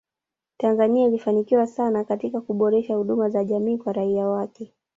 Tanzania ilifanikiwa sana katika kuboresha huduma za jamii kwa raia wake